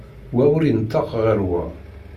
Wa ur ineṭṭeq ɣer wa.